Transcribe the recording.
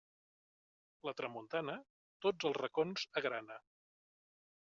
La tramuntana, tots els racons agrana.